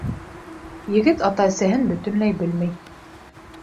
Егет ата-әсәһен бөтөнләй белмәй.